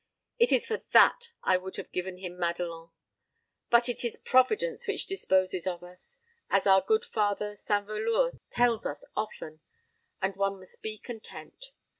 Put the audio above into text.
It is for that I would have given him Madelon. But it is Providence which disposes of us, as our good father St. Velours tells us often; and one must be content.